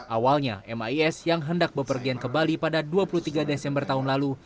awalnya mis yang hendak bepergian ke bali pada dua puluh tiga desember tahun lalu